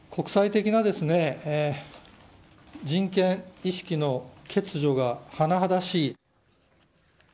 国際的な人権意識の欠如がはなはだしい。